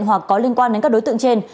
hoặc có liên quan đến các đối tượng trên